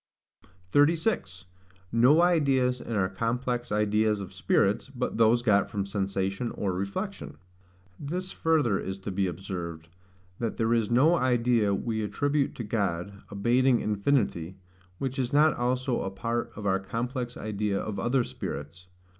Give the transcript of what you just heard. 36. No Ideas in our complex ideas of Spirits, but those got from Sensation or Reflection. This further is to be observed, that there is no idea we attribute to God, bating infinity, which is not also a part of our complex idea of other spirits.